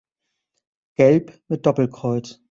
Gelb mit Doppelkreuz.